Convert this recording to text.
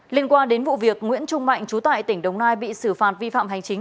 liên quan đến vụ việc nguyễn trung mạnh trú tại tỉnh đồng nai bị xử phạt vi phạm hành chính